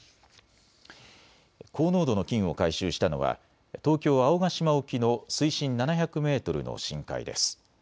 高濃度の金を回収したのは東京青ヶ島沖の水深７００メートルの深海です。